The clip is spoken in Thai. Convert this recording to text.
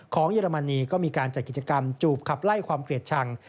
เยอรมนีก็มีการจัดกิจกรรมจูบขับไล่ความเกลียดชัง